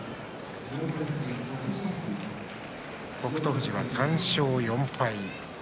富士は３勝４敗。